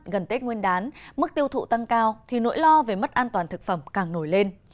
gần tết nguyên đán mức tiêu thụ tăng cao thì nỗi lo về mất an toàn thực phẩm càng nổi lên